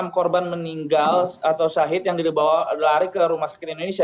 enam puluh enam korban meninggal atau syahid yang dilarik ke rumah sakit indonesia